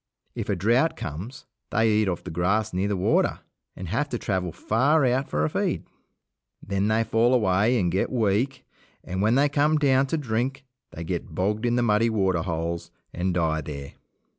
If a drought comes, they eat off the grass near the water and have to travel far out for a feed. Then they fall away and get weak, and when they come down to drink they get bogged in the muddy waterholes and die there.